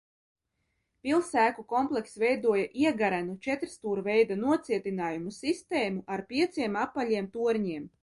Pils ēku komplekss veidoja iegarenu četrstūrveida nocietinājumu sistēmu ar pieciem apaļiem torņiem.